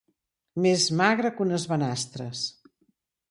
Més magre que unes banastres.